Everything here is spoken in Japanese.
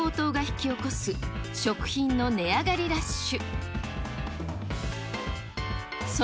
き起こす食品の値上がりラッシュ。